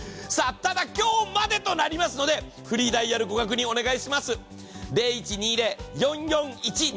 ただ、今日マデとなりますので、フリーダイヤルをご確認ください。